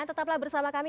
dan tetaplah bersama kami